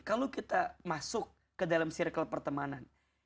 kalau kita masuk ke dalam circle pertemanan